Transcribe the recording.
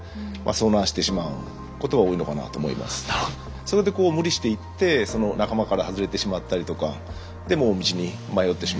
それでこう無理していって仲間から外れてしまったりとかでもう道に迷ってしまうと。